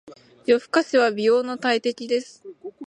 夜更かしは美容の大敵です。